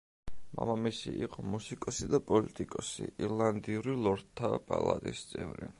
მამამისი იყო მუსიკოსი და პოლიტიკოსი, ირლანდიური ლორდთა პალატის წევრი.